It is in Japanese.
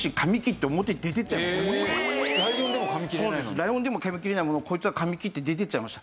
ライオンでも噛みきれないものをこいつは噛みきって出ていっちゃいました。